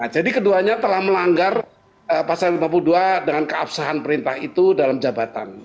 keduanya telah melanggar pasal lima puluh dua dengan keabsahan perintah itu dalam jabatan